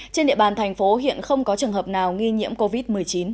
trên địa bàn thành phố hiện không có trường hợp nào nghi nhiễm covid một mươi chín